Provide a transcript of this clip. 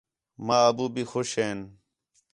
ماں، ابو بھی خوش ہین